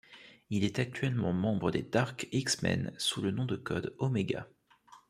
Il est actuellement membre des Dark X-Men, sous le nom de code Omega.